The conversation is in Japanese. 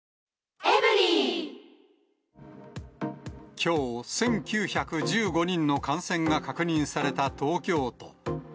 きょう、１９１５人の感染が確認された東京都。